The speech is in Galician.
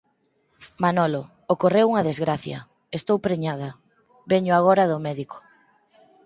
Manolo, ocorreu unha desgracia, estou preñada, veño agora do médico.